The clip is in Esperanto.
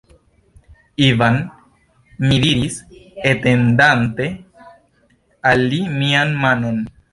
Ivan, mi diris, etendante al li mian manon.